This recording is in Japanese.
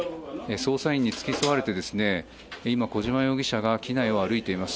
捜査員に付き添われて今、小島容疑者が機内を歩いています。